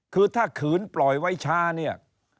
คือถ้าขืนปล่อยไว้ช้าเนี่ย